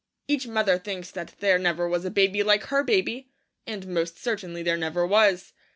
Each mother thinks that there never was a baby like her baby; and most certainly there never was.